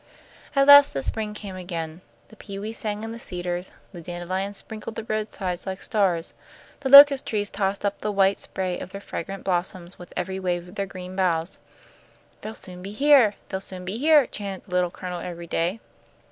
At last the spring came again. The pewees sang in the cedars. The dandelions sprinkled the roadsides like stars. The locust trees tossed up the white spray of their fragrant blossoms with every wave of their green boughs. "They'll soon be heah! They'll soon be heah!" chanted the Little Colonel every day.